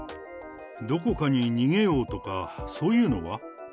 どこかに逃げようとか、そういうのは？